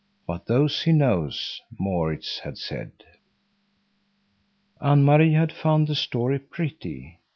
"But those he knows," Maurits had said. Anne Marie had found the story pretty.